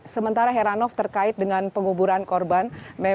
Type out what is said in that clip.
sementara heranov terkait dengan penguburan korban